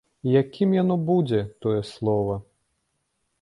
І якім яно будзе, тое слова?